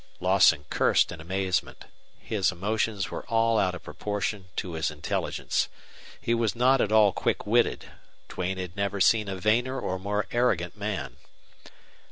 Lawson cursed in amazement. His emotions were all out of proportion to his intelligence. He was not at all quick witted. Duane had never seen a vainer or more arrogant man.